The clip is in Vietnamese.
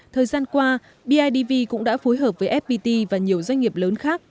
thời gian qua bidv cũng đã phối hợp với fpt và nhiều doanh nghiệp lớn khác